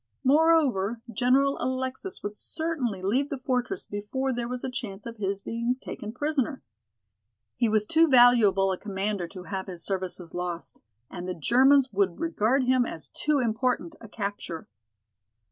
Moreover, General Alexis would certainly leave the fortress before there was a chance of his being taken prisoner. He was too valuable a commander to have his services lost and the Germans would regard him as too important a capture.